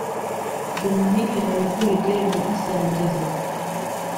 Dominique Ntawukuriryayo na Hassan Ngeze